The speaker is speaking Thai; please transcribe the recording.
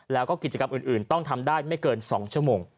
แล้วก็กิจกรรมอื่นต้องทำได้ไม่เกิน๒ชั่วโมง